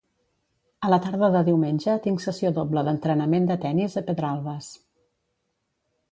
A la tarda de diumenge tinc sessió doble d'entrenament de tenis a Pedralbes.